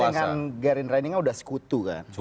kita dengan gerindra ini sudah sekutu kan